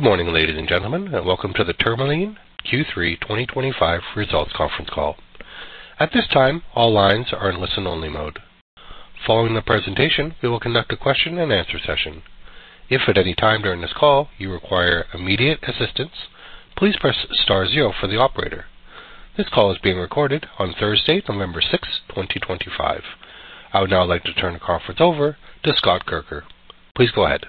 Good morning, ladies and gentlemen. Welcome to the Tourmaline Q3 2025 results conference call. At this time, all lines are in listen-only mode. Following the presentation, we will conduct a question-and-answer session. If at any time during this call you require immediate assistance, please press star zero for the operator. This call is being recorded on Thursday, November 6th, 2025. I would now like to turn the conference over to Scott Kirker. Please go ahead.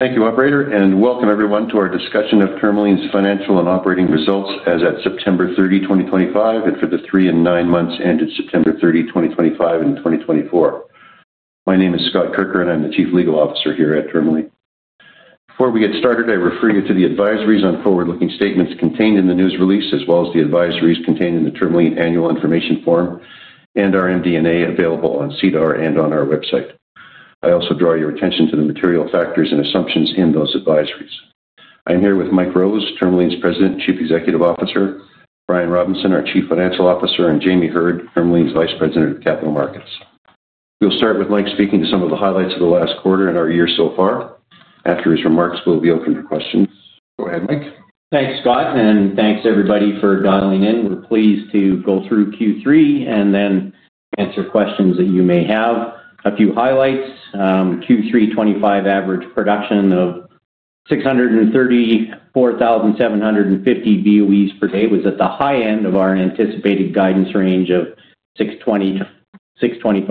Thank you, operator, and welcome everyone to our discussion of Tourmaline's financial and operating results as of September 30, 2025, and for the three and nine months ended September 30, 2025, and 2024. My name is Scott Kirker, and I'm the Chief Legal Officer here at Tourmaline. Before we get started, I refer you to the advisories on forward-looking statements contained in the news release, as well as the advisories contained in the Tourmaline annual information form and our MD&A available on CDOR and on our website. I also draw your attention to the material factors and assumptions in those advisories. I'm here with Mike Rose, Tourmaline's President and Chief Executive Officer; Brian Robinson, our Chief Financial Officer; and Jamie Heard, Tourmaline's Vice President of Capital Markets. We'll start with Mike speaking to some of the highlights of the last quarter and our year so far. After his remarks, we'll be open for questions. Go ahead, Mike. Thanks, Scott, and thanks, everybody, for dialing in. We're pleased to go through Q3 and then answer questions that you may have. A few highlights: Q3 2025 average production of 634,750 BOEs per day was at the high end of our anticipated guidance range of 625,000-635,000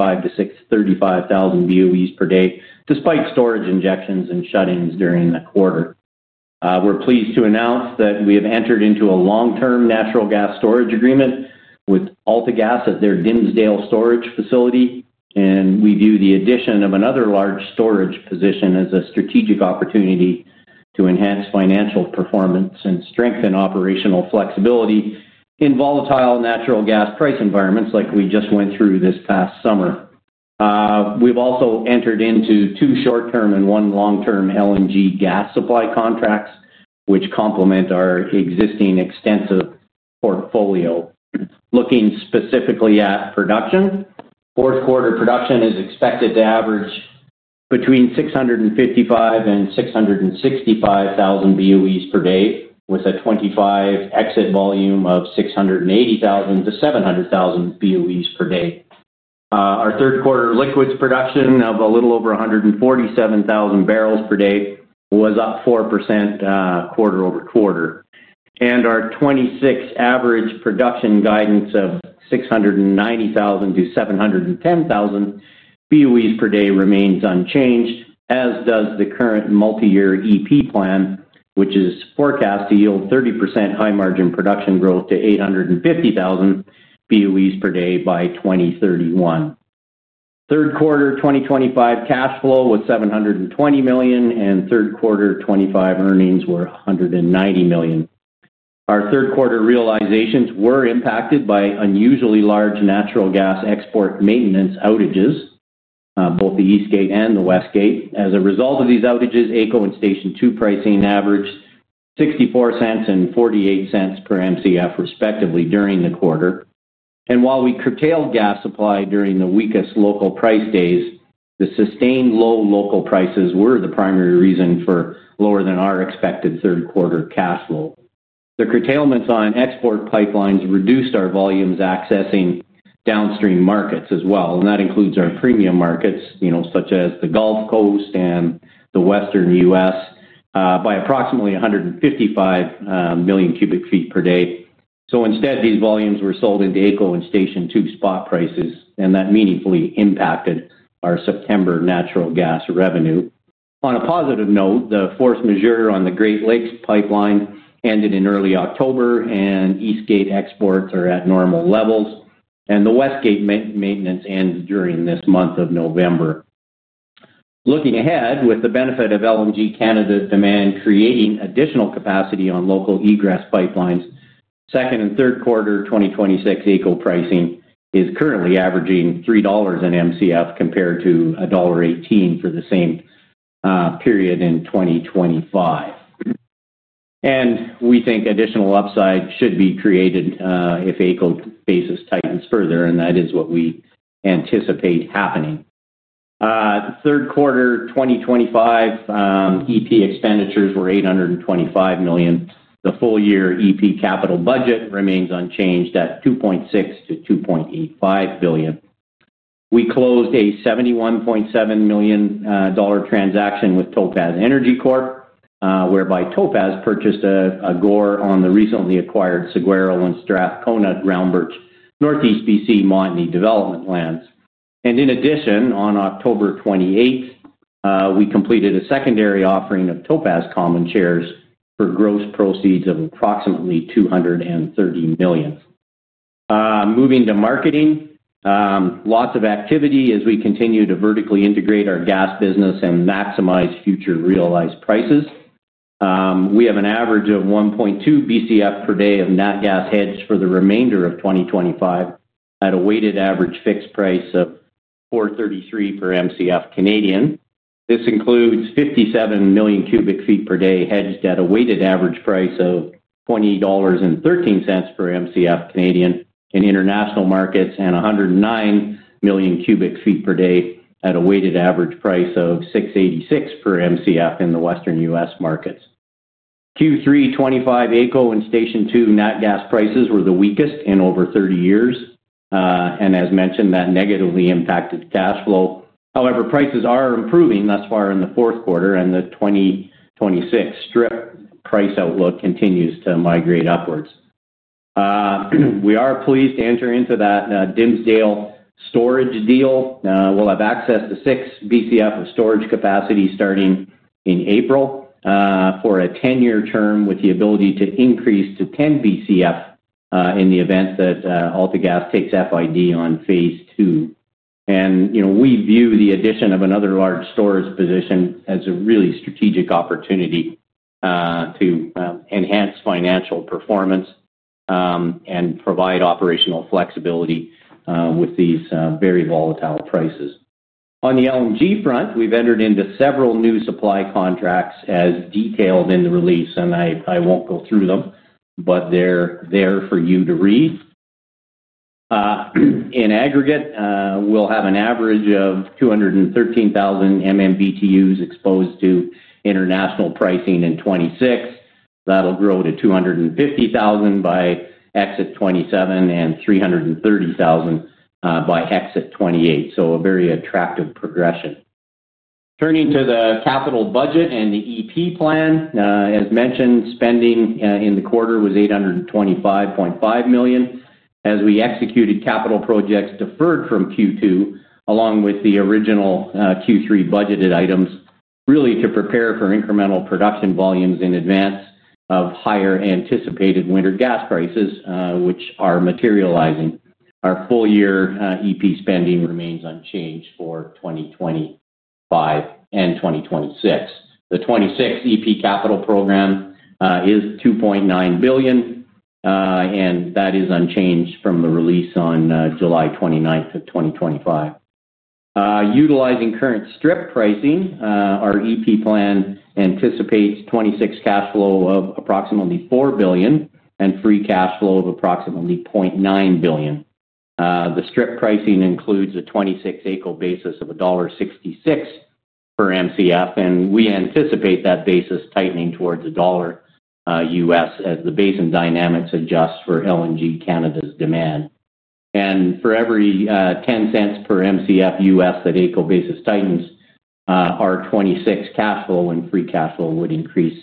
BOEs per day, despite storage injections and shut-ins during the quarter. We're pleased to announce that we have entered into a long-term natural gas storage agreement with AltaGas at their Dimsdale storage facility, and we view the addition of another large storage position as a strategic opportunity to enhance financial performance and strengthen operational flexibility in volatile natural gas price environments like we just went through this past summer. We've also entered into two short-term and one long-term LNG gas supply contracts, which complement our existing extensive portfolio, looking specifically at production. Fourth-quarter production is expected to average between 655,000-665,000 BOEs per day, with a 2025 exit volume of 680,000-700,000 BOEs per day. Our third-quarter liquids production of a little over 147,000 barrels per day was up 4% quarter over quarter, and our 2026 average production guidance of 690,000-710,000 BOEs per day remains unchanged, as does the current multi-year EP plan, which is forecast to yield 30% high-margin production growth to 850,000 BOEs per day by 2031. Third-quarter 2025 cash flow was 720 million, and third-quarter 2025 earnings were 190 million. Our third-quarter realizations were impacted by unusually large natural gas export maintenance outages. Both the East Gate and the West Gate. As a result of these outages, AECO and Station 2 pricing averaged $0.64 and $0.48 per MCF, respectively, during the quarter. While we curtailed gas supply during the weakest local price days, the sustained low local prices were the primary reason for lower-than-our-expected third-quarter cash flow. The curtailments on export pipelines reduced our volumes accessing downstream markets as well, and that includes our premium markets, such as the Gulf Coast and the Western U.S., by approximately 155 million cu ft per day. Instead, these volumes were sold into AECO and Station 2 spot prices, and that meaningfully impacted our September natural gas revenue. On a positive note, the force majeure on the Great Lakes pipeline ended in early October, and East Gate exports are at normal levels, and the West Gate maintenance ended during this month of November. Looking ahead, with the benefit of LNG Canada demand creating additional capacity on local egress pipelines, second and third-quarter 2026 AECO pricing is currently averaging $3 an MCF compared to $1.18 for the same period in 2025. We think additional upside should be created if AECO basis tightens further, and that is what we anticipate happening. Third quarter 2025 EP expenditures were $825 million. The full-year EP capital budget remains unchanged at $2.6 billion-$2.85 billion. We closed a $71.7 million transaction with Topaz Energy Corp, whereby Topaz purchased a GORR on the recently acquired Seguerro and Strathcona ground-rich Northeast BC Montney development lands. In addition, on October 28, we completed a secondary offering of Topaz common shares for gross proceeds of approximately $230 million. Moving to marketing. Lots of activity as we continue to vertically integrate our gas business and maximize future realized prices. We have an average of 1.2 BCF per day of nat gas hedged for the remainder of 2025 at a weighted average fixed price of 4.33 per MCF. This includes 57 million cu ft per day hedged at a weighted average price of 20.13 dollars per MCF in international markets and 109 million cu ft per day at a weighted average price of 6.86 per MCF in the Western U.S. markets. Q3 2025 AECO and Station 2 nat gas prices were the weakest in over 30 years, and as mentioned, that negatively impacted cash flow. However, prices are improving thus far in the fourth quarter, and the 2026 strip price outlook continues to migrate upwards. We are pleased to enter into that Dimsdale storage deal. We'll have access to 6 BCF of storage capacity starting in April. For a 10-year term with the ability to increase to 10 BCF in the event that AltaGas takes FID on phase two. We view the addition of another large storage position as a really strategic opportunity to enhance financial performance and provide operational flexibility with these very volatile prices. On the LNG front, we've entered into several new supply contracts as detailed in the release, and I won't go through them, but they're there for you to read. In aggregate, we'll have an average of 213,000 MMBTU exposed to international pricing in 2026. That'll grow to 250,000 by exit 2027 and 330,000 by exit 2028, so a very attractive progression. Turning to the capital budget and the EP plan, as mentioned, spending in the quarter was 825.5 million as we executed capital projects deferred from Q2, along with the original Q3 budgeted items, really to prepare for incremental production volumes in advance of higher anticipated winter gas prices, which are materializing. Our full-year EP spending remains unchanged for 2025 and 2026. The 2026 EP capital program is 2.9 billion. That is unchanged from the release on July 29, 2025. Utilizing current strip pricing, our EP plan anticipates 2026 cash flow of approximately 4 billion and free cash flow of approximately 0.9 billion. The strip pricing includes a 2026 AECO basis of $1.66 per MCF, and we anticipate that basis tightening towards $1 as the basin dynamics adjust for LNG Canada's demand. For every $0.10 per MCF US that AECO basis tightens. Our 2026 cash flow and free cash flow would increase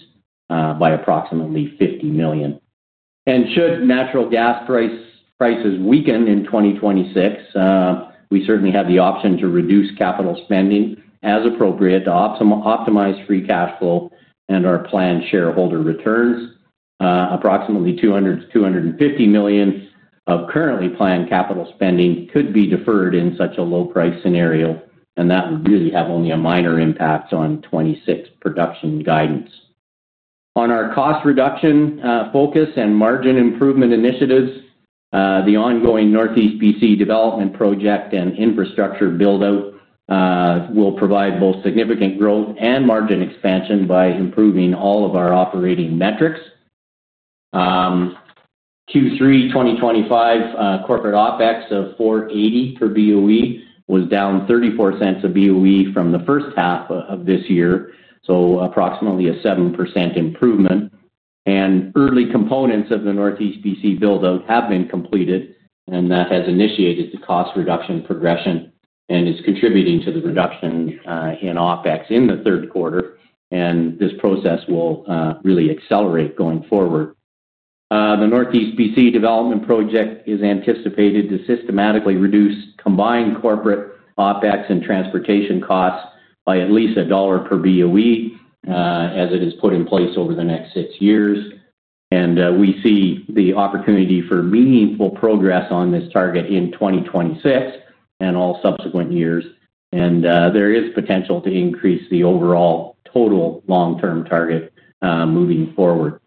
by approximately $50 million. Should natural gas prices weaken in 2026, we certainly have the option to reduce capital spending as appropriate to optimize free cash flow and our planned shareholder returns. Approximately $200 million-$250 million of currently planned capital spending could be deferred in such a low-price scenario, and that would really have only a minor impact on 2026 production guidance. On our cost reduction focus and margin improvement initiatives, the ongoing Northeast BC development project and infrastructure build-out will provide both significant growth and margin expansion by improving all of our operating metrics. Q3 2025 corporate OpEx of $4.80 per BOE was down $0.34 a BOE from the first half of this year, so approximately a 7% improvement. Early components of the Northeast BC build-out have been completed, and that has initiated the cost reduction progression and is contributing to the reduction in OpEx in the third quarter. This process will really accelerate going forward. The Northeast BC development project is anticipated to systematically reduce combined corporate OpEx and transportation costs by at least CAD 1 per BOE as it is put in place over the next six years. We see the opportunity for meaningful progress on this target in 2026 and all subsequent years, and there is potential to increase the overall total long-term target moving forward.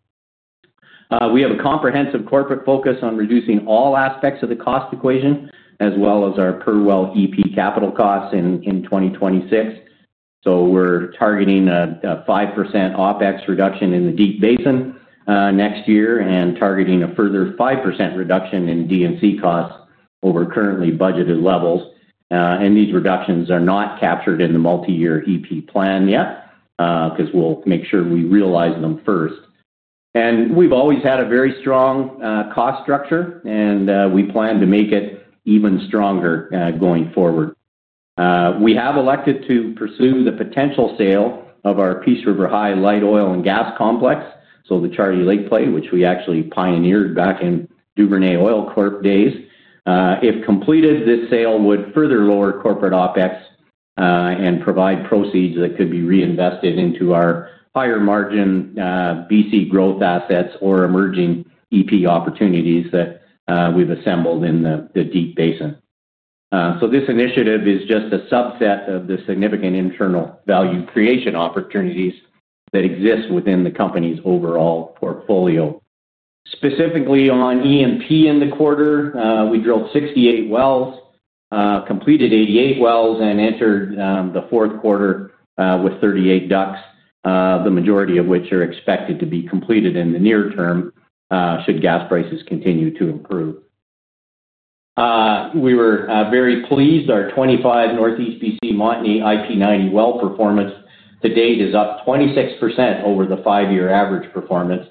We have a comprehensive corporate focus on reducing all aspects of the cost equation, as well as our per well EP capital costs in 2026. We're targeting a 5% OpEx reduction in the Deep Basin next year and targeting a further 5% reduction in D&C costs over currently budgeted levels. These reductions are not captured in the multi-year EP plan yet because we'll make sure we realize them first. We've always had a very strong cost structure, and we plan to make it even stronger going forward. We have elected to pursue the potential sale of our Peace River High Light Oil and Gas Complex, so the Charlie Lake Play, which we actually pioneered back in Duvernay Oil Corp days. If completed, this sale would further lower corporate OPEX and provide proceeds that could be reinvested into our higher margin BC growth assets or emerging EP opportunities that we've assembled in the Deep Basin. This initiative is just a subset of the significant internal value creation opportunities that exist within the company's overall portfolio. Specifically on EP in the quarter, we drilled 68 wells, completed 88 wells, and entered the fourth quarter with 38 ducks, the majority of which are expected to be completed in the near term should gas prices continue to improve. We were very pleased; our 25 Northeast BC Montney IP90 well performance to date is up 26% over the five-year average performance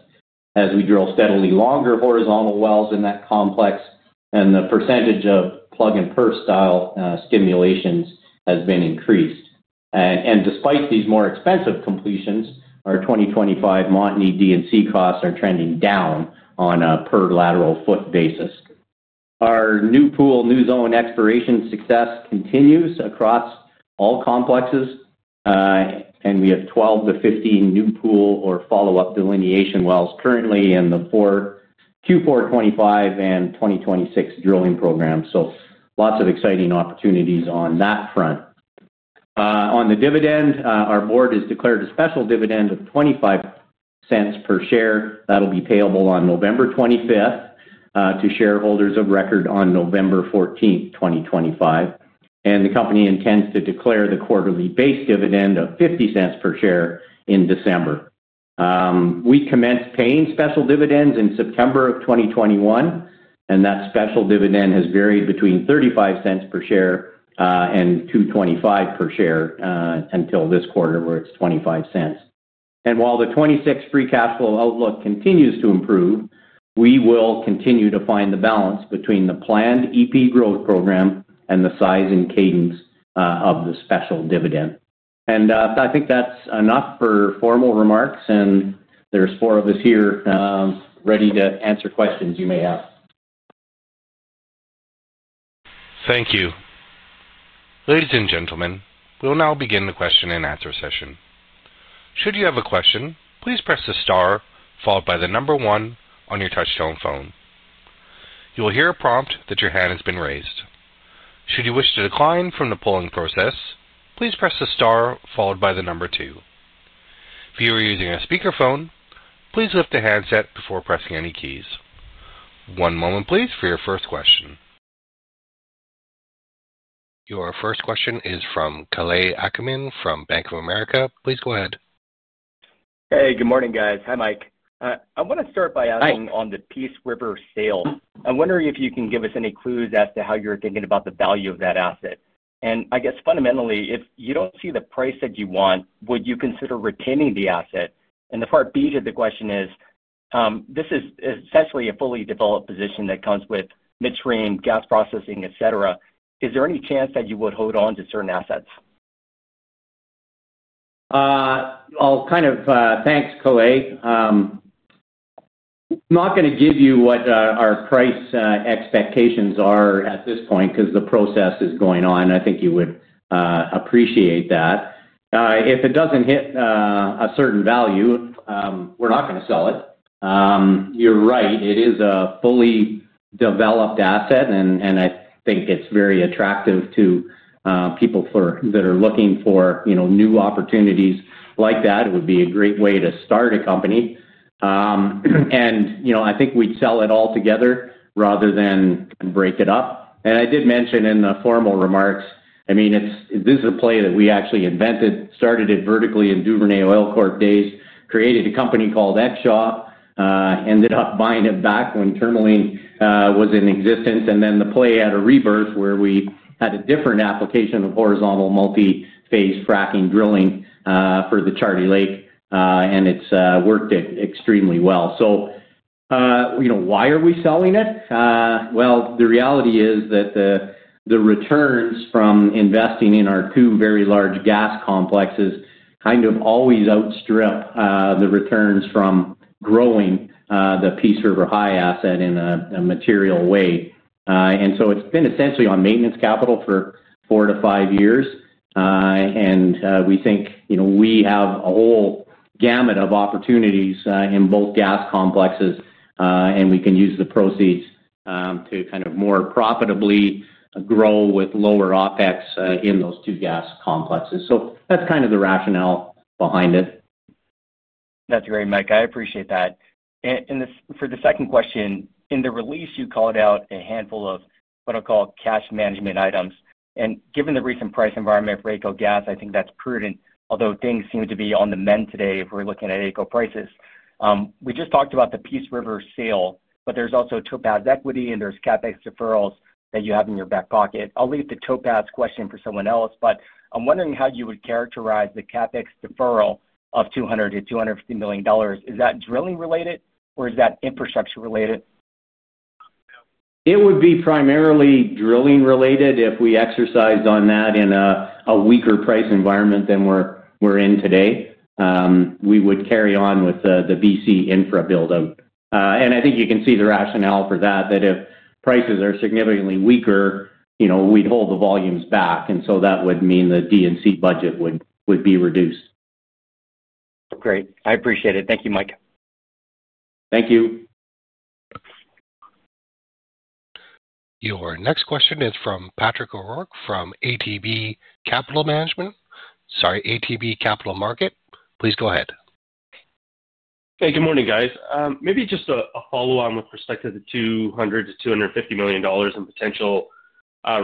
as we drill steadily longer horizontal wells in that complex, and the percentage of plug-and-perf style stimulations has been increased. Despite these more expensive completions, our 2025 Montney D&C costs are trending down on a per lateral foot basis. Our new pool, new zone exploration success continues across all complexes. We have 12-15 new pool or follow-up delineation wells currently in the Q4 2025 and 2026 drilling program, so lots of exciting opportunities on that front. On the dividend, our Board has declared a special dividend of 0.25 per share. That will be payable on November 25 to shareholders of record on November 14, 2025. The company intends to declare the quarterly base dividend of 0.50 per share in December. We commenced paying special dividends in September of 2021, and that special dividend has varied between 0.35 per share and 2.25 per share until this quarter, where it is CAD 0.25. While the 2026 free cash flow outlook continues to improve, we will continue to find the balance between the planned EP growth program and the size and cadence of the special dividend. I think that's enough for formal remarks, and there's four of us here. Ready to answer questions you may have. Thank you. Ladies and gentlemen, we'll now begin the question and answer session. Should you have a question, please press the star followed by the number one on your touch-tone phone. You will hear a prompt that your hand has been raised. Should you wish to decline from the polling process, please press the star followed by the number two. If you are using a speakerphone, please lift the handset before pressing any keys. One moment, please, for your first question. Your first question is from Kalei Akamine from Bank of America. Please go ahead. Hey, good morning, guys. Hi, Mike. I want to start by asking on the Peace River sale. I'm wondering if you can give us any clues as to how you're thinking about the value of that asset. I guess fundamentally, if you do not see the price that you want, would you consider retaining the asset? The part B to the question is, this is essentially a fully developed position that comes with midstream gas processing, et cetera. Is there any chance that you would hold on to certain assets? I'll kind of, thanks, Kalei. I'm not going to give you what our price expectations are at this point because the process is going on. I think you would appreciate that. If it does not hit a certain value, we are not going to sell it. You're right. It is a fully developed asset, and I think it's very attractive to people that are looking for new opportunities like that. It would be a great way to start a company. I think we'd sell it all together rather than break it up. I did mention in the formal remarks, I mean, this is a play that we actually invented. Started it vertically in Duvernay Oil Corp days, created a company called X Shaw, ended up buying it back when Tourmaline was in existence, and then the play had a rebirth where we had a different application of horizontal multi-phase fracking drilling for the Charlie Lake, and it's worked extremely well. Why are we selling it? The reality is that the returns from investing in our two very large gas complexes kind of always outstrip the returns from growing the Peace River High asset in a material way. It has been essentially on maintenance capital for four to five years. We think we have a whole gamut of opportunities in both gas complexes, and we can use the proceeds to kind of more profitably grow with lower OpEx in those two gas complexes. That is kind of the rationale behind it. That is great, Mike. I appreciate that. For the second question, in the release, you called out a handful of what I will call cash management items. Given the recent price environment for AECO gas, I think that is prudent, although things seem to be on the mend today if we are looking at AECO prices. We just talked about the Peace River sale, but there is also Topaz Equity, and there are CapEx deferrals that you have in your back pocket. I will leave the Topaz question for someone else, but I am wondering how you would characterize the CapEx deferral of 200 million-250 million dollars. Is that drilling related, or is that infrastructure related? It would be primarily drilling related. If we exercised on that in a weaker price environment than we're in today, we would carry on with the BC infra build-out. I think you can see the rationale for that, that if prices are significantly weaker, we'd hold the volumes back, and so that would mean the D&C budget would be reduced. Great. I appreciate it. Thank you, Mike. Thank you. Your next question is from Patrick O'Rourke from ATB Capital Markets. Please go ahead. Hey, good morning, guys. Maybe just a follow-on with respect to the 200 million-250 million dollars and potential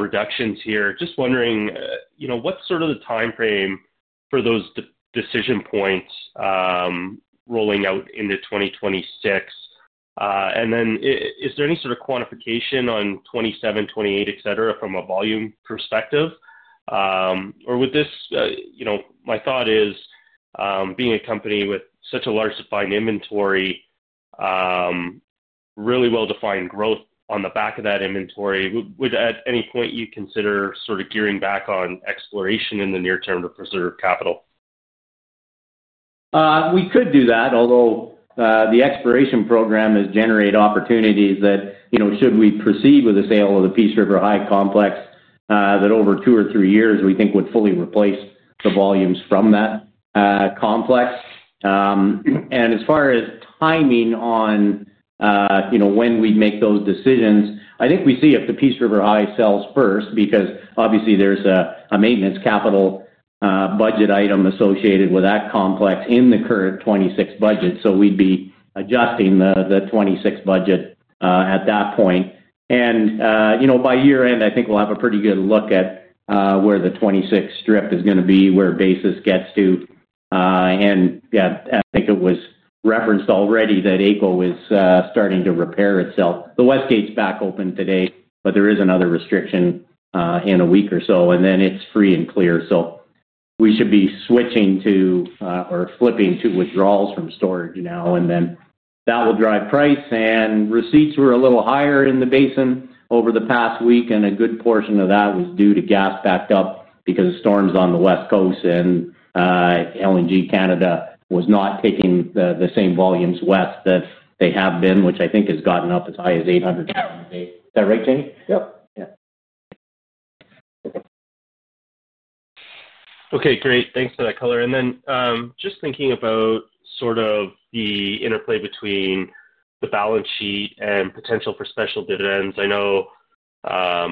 reductions here. Just wondering, what's sort of the timeframe for those decision points, rolling out into 2026? Is there any sort of quantification on 2027, 2028, et cetera, from a volume perspective? Would this—my thought is, being a company with such a large defined inventory, really well-defined growth on the back of that inventory, would at any point you consider sort of gearing back on exploration in the near term to preserve capital? We could do that, although the exploration program has generated opportunities that, should we proceed with the sale of the Peace River High complex, over two or three years, we think would fully replace the volumes from that complex. As far as timing on when we would make those decisions, I think we see if the Peace River High sells first because obviously there is a maintenance capital budget item associated with that complex in the current 2026 budget, so we would be adjusting the 2026 budget at that point. By year end, I think we'll have a pretty good look at where the 2026 strip is going to be, where basis gets to. Yeah, I think it was referenced already that AECO is starting to repair itself. The West Gate is back open today, but there is another restriction in a week or so, and then it is free and clear. We should be switching to, or flipping to, withdrawals from storage now, and that will drive price. Receipts were a little higher in the basin over the past week, and a good portion of that was due to gas backed up because of storms on the West Coast. LNG Canada was not taking the same volumes west that they have been, which I think has gotten up as high as 800 tons. Is that right, [Jay]? Yep. Yeah. Okay. Great. Thanks for that color. And then just thinking about sort of the interplay between the balance sheet and potential for special dividends, I know, I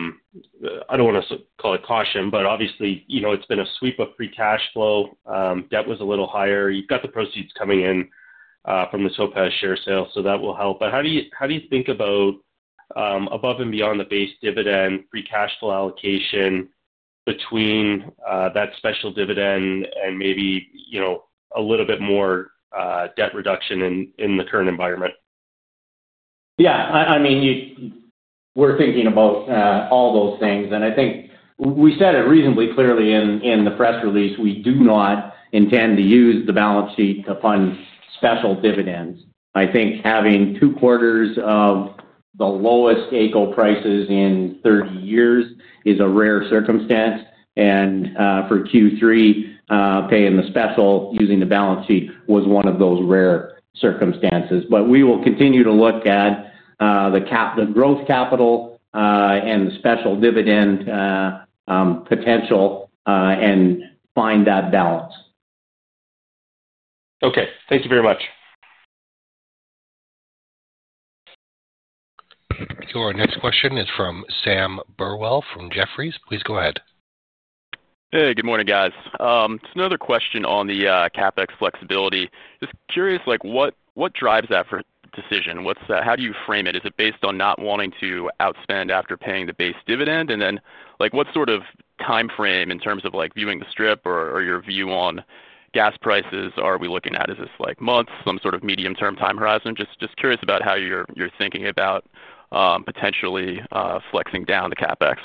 do not want to call it caution, but obviously it has been a sweep of free cash flow. Debt was a little higher. You have got the proceeds coming in from the Topaz share sale, so that will help. How do you think about, above and beyond the base dividend, free cash flow allocation between that special dividend and maybe a little bit more debt reduction in the current environment? Yeah. I mean, we are thinking about all those things. I think we said it reasonably clearly in the press release, we do not intend to use the balance sheet to fund special dividends. I think having two quarters of the lowest AECO prices in 30 years is a rare circumstance. For Q3. Paying the special using the balance sheet was one of those rare circumstances. We will continue to look at the growth capital and the special dividend potential and find that balance. Okay. Thank you very much. Your next question is from Sam Burwell from Jefferies. Please go ahead. Hey, good morning, guys. It's another question on the CapEx flexibility. Just curious, what drives that decision? How do you frame it? Is it based on not wanting to outspend after paying the base dividend? What sort of timeframe in terms of viewing the strip or your view on gas prices are we looking at? Is this months, some sort of medium-term time horizon? Just curious about how you're thinking about potentially flexing down the CapEx.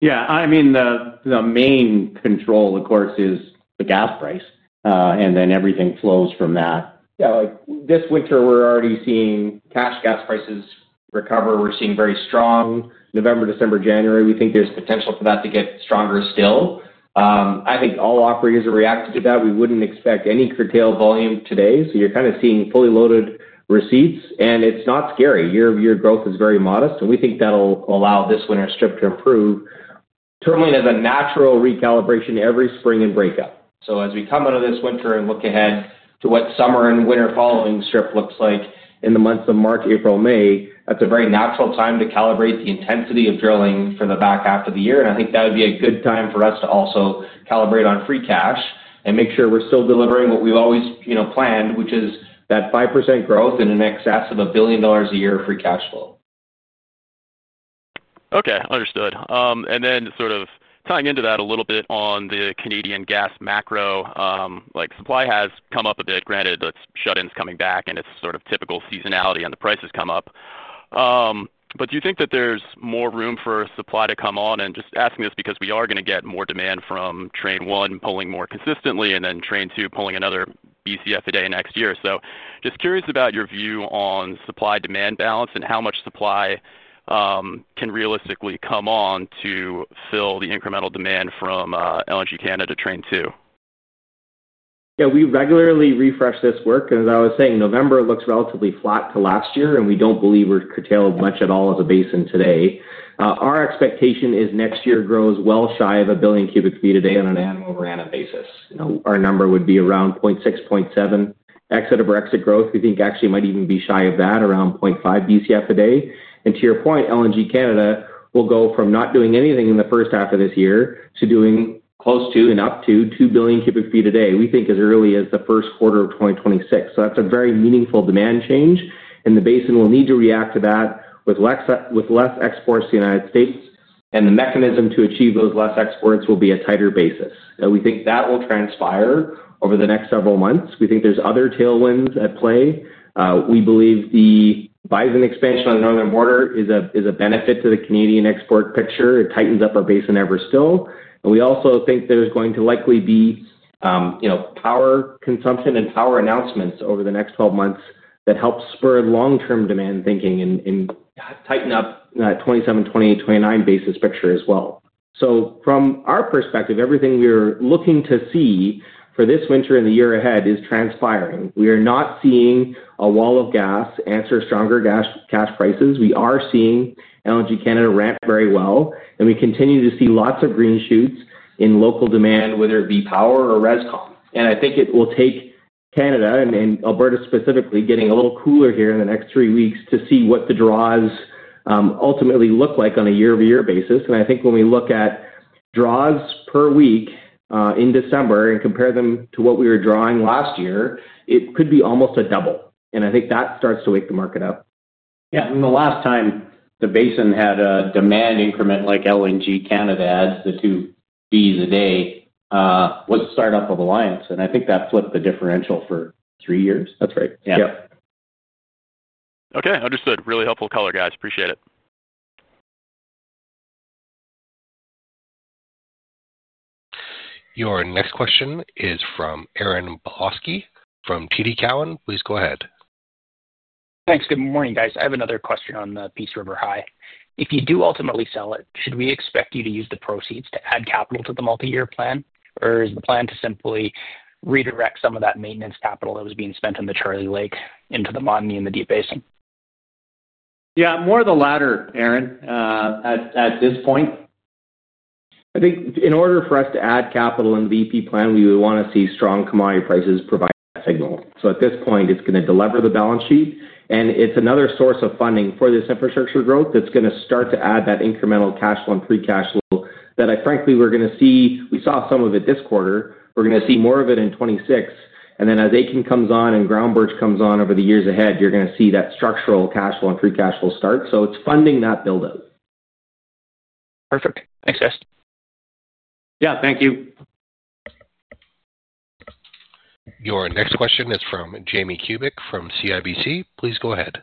Yeah. I mean, the main control, of course, is the gas price, and then everything flows from that. Yeah. This winter, we're already seeing cash gas prices recover. We're seeing very strong November, December, January. We think there's potential for that to get stronger still. I think all operators are reacting to that. We wouldn't expect any curtail volume today. You're kind of seeing fully loaded receipts, and it's not scary. Your growth is very modest, and we think that'll allow this winter strip to improve. Tourmaline has a natural recalibration every spring and breakup. As we come out of this winter and look ahead to what summer and winter following strip looks like in the months of March, April, May, that's a very natural time to calibrate the intensity of drilling for the back half of the year. I think that would be a good time for us to also calibrate on free cash and make sure we're still delivering what we've always planned, which is that 5% growth and in excess of 1 billion dollars a year of free cash flow. Okay. Understood. Then sort of tying into that a little bit on the Canadian gas macro, supply has come up a bit. Granted, the shut-in is coming back, and it's sort of typical seasonality and the prices come up. Do you think that there's more room for supply to come on? I'm just asking this because we are going to get more demand from train one pulling more consistently and then train two pulling another 1 BCF a day next year. Just curious about your view on supply-demand balance and how much supply. Can realistically come on to fill the incremental demand from LNG Canada train two. Yeah. We regularly refresh this work. As I was saying, November looks relatively flat to last year, and we do not believe we are curtailed much at all as a basin today. Our expectation is next year grows well shy of a billion cu ft a day on an annual RANA basis. Our number would be around 0.6-0.7 exit of our exit growth. We think actually might even be shy of that, around 0.5 BCF a day. To your point, LNG Canada will go from not doing anything in the first half of this year to doing close to and up to 2 billion cu ft a day, we think as early as the first quarter of 2026. That is a very meaningful demand change, and the basin will need to react to that with less exports to the United States, and the mechanism to achieve those less exports will be a tighter basis. We think that will transpire over the next several months. We think there are other tailwinds at play. We believe the Bison expansion on the Northern Border is a benefit to the Canadian export picture. It tightens up our basin ever still. We also think there is going to likely be power consumption and power announcements over the next 12 months that help spur long-term demand thinking and tighten up that 2027, 2028, 2029 basis picture as well. From our perspective, everything we are looking to see for this winter and the year ahead is transpiring. We are not seeing a wall of gas answer stronger cash prices. We are seeing LNG Canada ramp very well, and we continue to see lots of green shoots in local demand, whether it be power or rescon. I think it will take Canada and Alberta specifically getting a little cooler here in the next three weeks to see what the draws ultimately look like on a year-over-year basis. I think when we look at draws per week in December and compare them to what we were drawing last year, it could be almost a double. I think that starts to wake the market up. Yeah. The last time the basin had a demand increment like LNG Canada adds the two fees a day was the startup of Alliance, and I think that flipped the differential for three years. That's right. Yeah. Okay. Understood. Really helpful color, guys. Appreciate it. Your next question is from Aaron Bilkoski from TD Cowen. Please go ahead. Thanks. Good morning, guys. I have another question on the Peace River High. If you do ultimately sell it, should we expect you to use the proceeds to add capital to the multi-year plan, or is the plan to simply redirect some of that maintenance capital that was being spent on the Charlie Lake into the Montney in the Deep Basin? Yeah. More of the latter, Aaron. At this point. I think in order for us to add capital in the VP plan, we would want to see strong commodity prices provide that signal. At this point, it is going to deliver the balance sheet, and it is another source of funding for this infrastructure growth that is going to start to add that incremental cash flow and free cash flow that, frankly, we are going to see. We saw some of it this quarter. We are going to see more of it in 2026. As Aitken comes on and Ground Birch comes on over the years ahead, you are going to see that structural cash flow and pre-cash flow start. It is funding that build-out. Perfect. Thanks, guys. Yeah. Thank you. Your next question is from Jamie Kubik from CIBC. Please go ahead.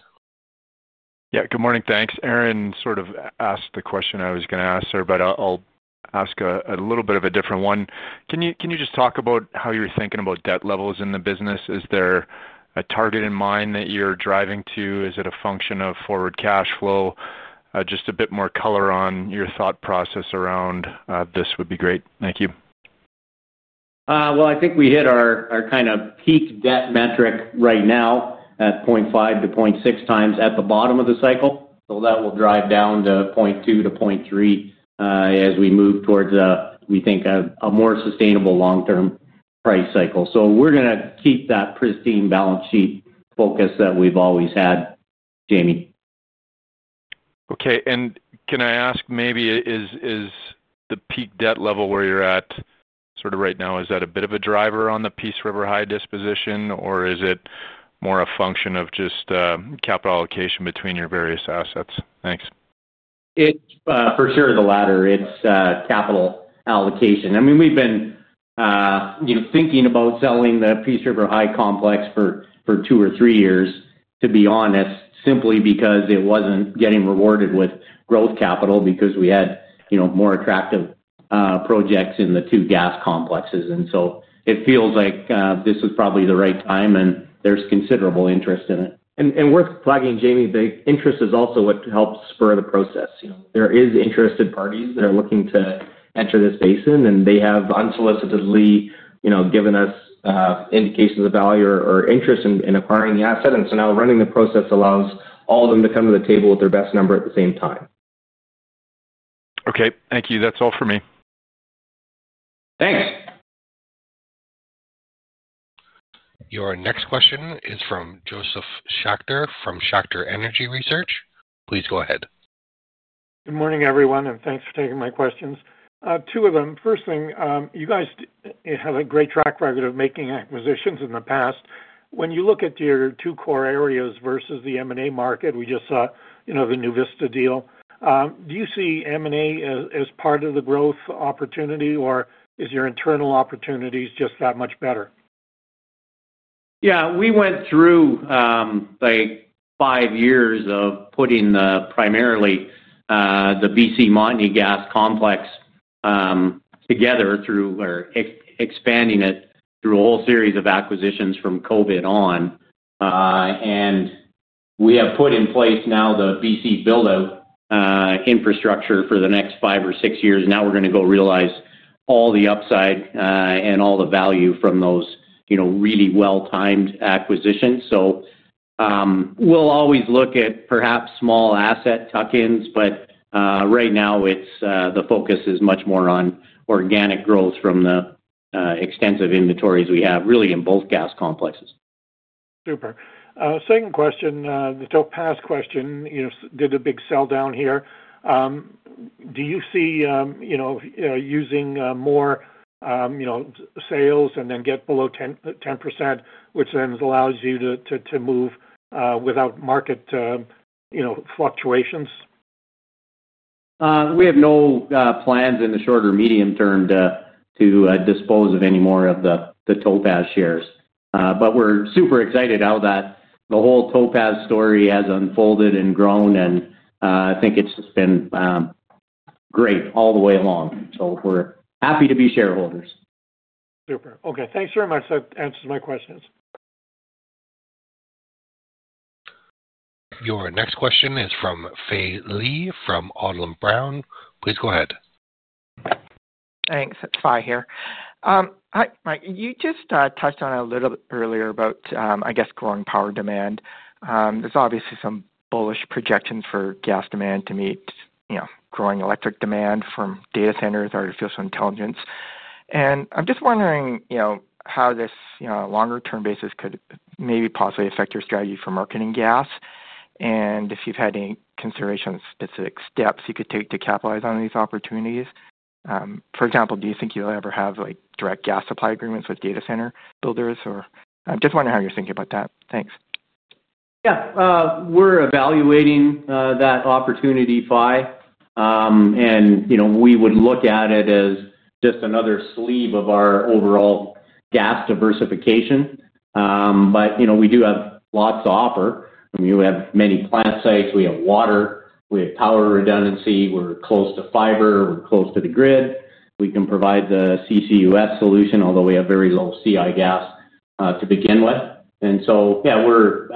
Yeah. Good morning. Thanks. Aaron sort of asked the question I was going to ask her, but I will ask a little bit of a different one. Can you just talk about how you are thinking about debt levels in the business? Is there a target in mind that you are driving to? Is it a function of forward cash flow? Just a bit more color on your thought process around this would be great. Thank you. I think we hit our kind of peak debt metric right now at 0.5-0.6 times at the bottom of the cycle. That will drive down to 0.2-0.3 as we move towards a, we think, a more sustainable long-term price cycle. We are going to keep that pristine balance sheet focus that we have always had, Jamie. Okay. Can I ask maybe, is the peak debt level where you are at sort of right now, is that a bit of a driver on the Peace River High disposition, or is it more a function of just capital allocation between your various assets? Thanks. For sure, the latter. It is capital allocation. I mean, we have been. Thinking about selling the Peace River High complex for two or three years, to be honest, simply because it was not getting rewarded with growth capital because we had more attractive projects in the two gas complexes. It feels like this was probably the right time, and there is considerable interest in it. Worth flagging, Jamie, the interest is also what helps spur the process. There are interested parties that are looking to enter this basin, and they have unsolicitedly given us indications of value or interest in acquiring the asset. Now running the process allows all of them to come to the table with their best number at the same time. Okay. Thank you. That is all for me. Thanks. Your next question is from Josef Schachter from Schachter Energy Research. Please go ahead. Good morning, everyone, and thanks for taking my questions. Two of them. First thing, you guys have a great track record of making acquisitions in the past. When you look at your two core areas versus the M&A market, we just saw the NuVista deal, do you see M&A as part of the growth opportunity, or is your internal opportunities just that much better? Yeah. We went through five years of putting primarily the BC Montney gas complex together or expanding it through a whole series of acquisitions from COVID on. And we have put in place now the BC build-out infrastructure for the next five or six years. Now we're going to go realize all the upside and all the value from those really well-timed acquisitions. We'll always look at perhaps small asset tuck-ins, but right now the focus is much more on organic growth from the extensive inventories we have really in both gas complexes. Super. Second question, the past question, did a big sell down here. Do you see using more sales and then get below 10%, which then allows you to move without market fluctuations? We have no plans in the short or medium term to dispose of any more of the Topaz shares. We are super excited how the whole Topaz story has unfolded and grown, and I think it has just been great all the way along. We are happy to be shareholders. Super. Okay. Thanks very much. That answers my questions. Your next question is from Fai Lee from Odlum Brown. Please go ahead. Thanks. It is Fai here. Hi, Mike. You just touched on it a little bit earlier about, I guess, growing power demand. There are obviously some bullish projections for gas demand to meet growing electric demand from data centers or fuel intelligence. I'm just wondering how this longer-term basis could maybe possibly affect your strategy for marketing gas. If you've had any considerations of specific steps you could take to capitalize on these opportunities. For example, do you think you'll ever have direct gas supply agreements with data center builders? I'm just wondering how you're thinking about that. Thanks. Yeah. We're evaluating that opportunity Fai. We would look at it as just another sleeve of our overall gas diversification. We do have lots to offer. We have many plant sites. We have water. We have power redundancy. We're close to fiber. We're close to the grid. We can provide the CCUS solution, although we have very little CI gas to begin with. Yeah, we're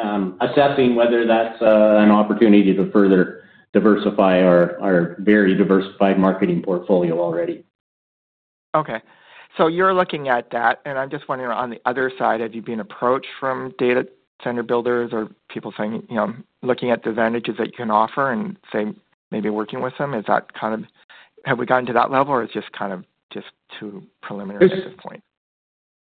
assessing whether that's an opportunity to further diversify our very diversified marketing portfolio already. Okay. You're looking at that. I'm just wondering, on the other side, have you been approached from data center builders or people looking at the advantages that you can offer and maybe working with them? Is that kind of have we gotten to that level, or it's just kind of just too preliminary at this point?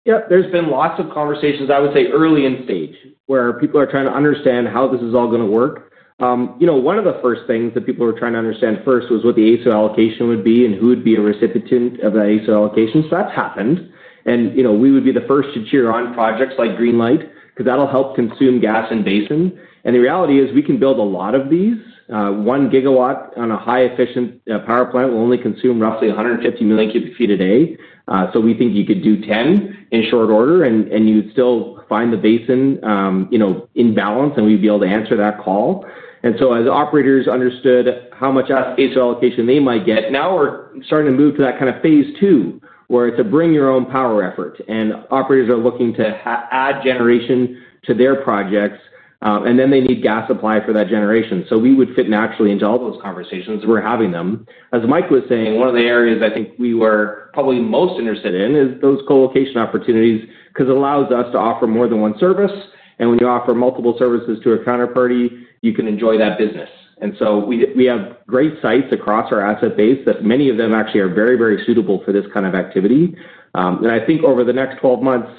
Yeah. There's been lots of conversations, I would say, early in stage where people are trying to understand how this is all going to work. One of the first things that people were trying to understand first was what the AECO allocation would be and who would be a recipient of the AECO allocation. That has happened. We would be the first to cheer on projects like Greenlight because that'll help consume gas in basin. The reality is we can build a lot of these. One gigawatt on a high-efficient power plant will only consume roughly 150 million cu ft a day. We think you could do 10 in short order, and you would still find the basin in balance, and we would be able to answer that call. As operators understood how much AECO allocation they might get, now we are starting to move to that kind of phase two where it is a bring-your-own-power effort. Operators are looking to add generation to their projects, and then they need gas supply for that generation. We would fit naturally into all those conversations that we are having with them. As Mike was saying, one of the areas I think we were probably most interested in is those co-location opportunities because it allows us to offer more than one service. When you offer multiple services to a counterparty, you can enjoy that business. We have great sites across our asset base that many of them actually are very, very suitable for this kind of activity. I think over the next 12 months,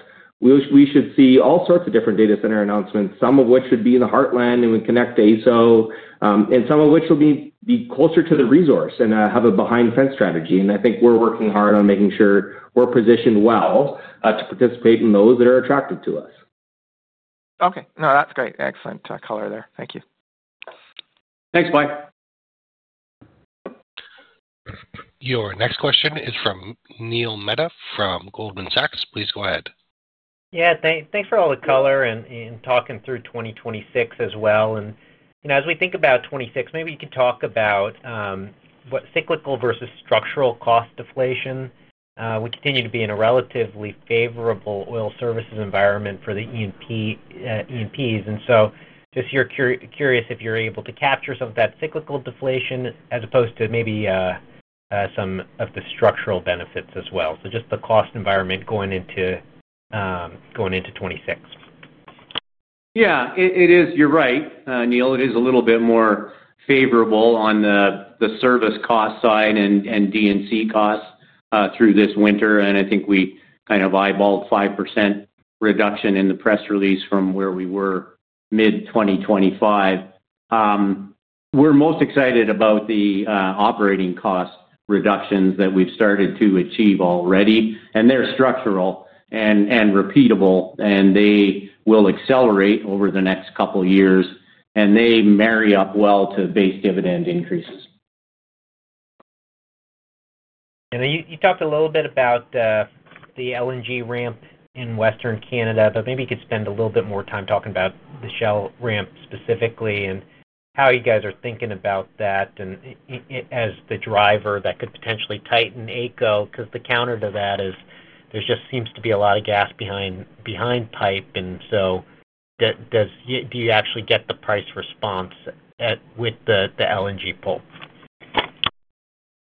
we should see all sorts of different data center announcements, some of which would be in the heartland and would connect to AECO, and some of which will be closer to the resource and have a behind-the-fence strategy. I think we are working hard on making sure we are positioned well to participate in those that are attractive to us. Okay. No, that is great. Excellent color there. Thank you. Thanks, Fai. Your next question is from Neil Mehta from Goldman Sachs. Please go ahead. Yeah. Thanks for all the color and talking through 2026 as well. As we think about 2026, maybe you could talk about what cyclical versus structural cost deflation. We continue to be in a relatively favorable oil services environment for the EPs. Just curious if you're able to capture some of that cyclical deflation as opposed to maybe some of the structural benefits as well. Just the cost environment going into 2026. Yeah, you're right, Neil. It is a little bit more favorable on the service cost side and D&C costs through this winter. I think we kind of eyeballed a 5% reduction in the press release from where we were mid-2025. We're most excited about the operating cost reductions that we've started to achieve already. They're structural and repeatable, and they will accelerate over the next couple of years. They marry up well to base dividend increases. You talked a little bit about. The LNG ramp in Western Canada, but maybe you could spend a little bit more time talking about the Shell ramp specifically and how you guys are thinking about that as the driver that could potentially tighten AECO because the counter to that is there just seems to be a lot of gas behind pipe. Do you actually get the price response with the LNG pull?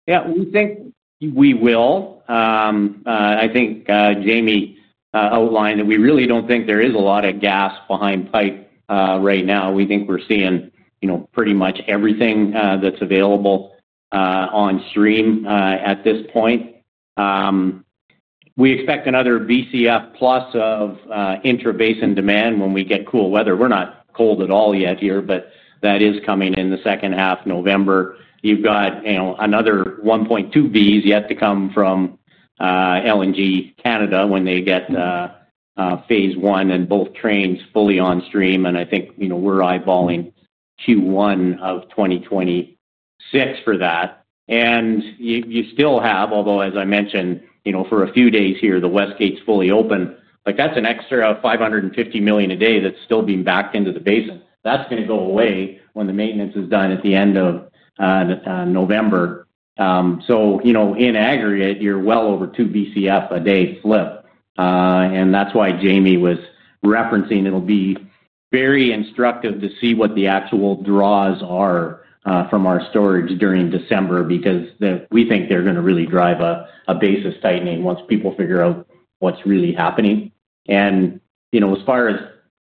Yeah. We think we will. I think Jamie outlined that we really do not think there is a lot of gas behind pipe right now. We think we are seeing pretty much everything that is available on stream at this point. We expect another 1 BCF plus of intra-basin demand when we get cool weather. We are not cold at all yet here, but that is coming in the second half of November. You have got another 1.2 BCF yet to come from LNG Canada when they get. Phase one and both trains fully on stream. I think we're eyeballing Q1 of 2026 for that. You still have, although, as I mentioned, for a few days here, the West Gate's fully open, but that's an extra 550 million a day that's still being backed into the basin. That's going to go away when the maintenance is done at the end of November. In aggregate, you're well over 2 BCF a day flip. That's why Jamie was referencing it'll be very instructive to see what the actual draws are from our storage during December because we think they're going to really drive a basis tightening once people figure out what's really happening. As far as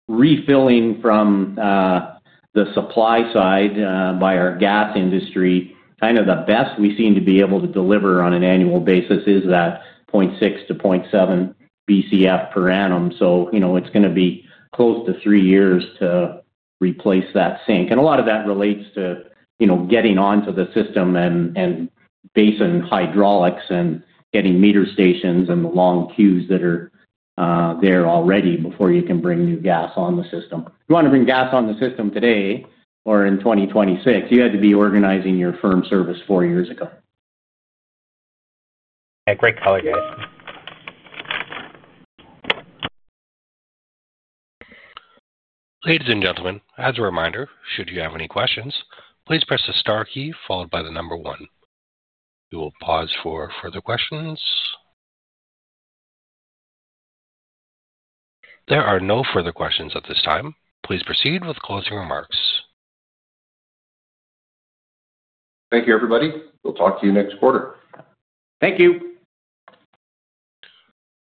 refilling from. The supply side by our gas industry, kind of the best we seem to be able to deliver on an annual basis is that 0.6-0.7 BCF per annum. So it is going to be close to three years to replace that sink. And a lot of that relates to getting onto the system and basin hydraulics and getting meter stations and the long queues that are there already before you can bring new gas on the system. If you want to bring gas on the system today or in 2026, you had to be organizing your firm service four years ago. Okay. Great color, guys. Ladies and gentlemen, as a reminder, should you have any questions, please press the star key followed by the number one. We will pause for further questions. There are no further questions at this time. Please proceed with closing remarks. Thank you, everybody. We'll talk to you next quarter. Thank you.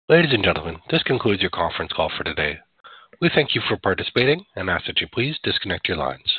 Ladies and gentlemen, this concludes your conference call for today. We thank you for participating and ask that you please disconnect your lines.